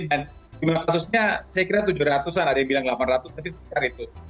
dan jumlah kasusnya saya kira tujuh ratus an ada yang bilang delapan ratus tapi sekitar itu